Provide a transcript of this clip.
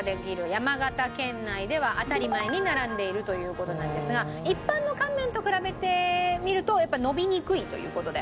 山形県内では当たり前に並んでいるという事なんですが一般の乾麺と比べてみるとやっぱのびにくいという事で。